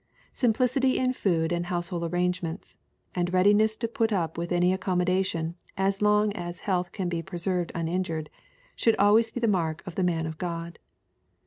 Simplic ity in food and household arrangements, and readiness to put up with any accommodation, so long as health can be preserved uninjured, should always be the mark of the " man of God."